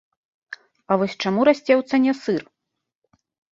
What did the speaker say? А вось чаму расце ў цане сыр?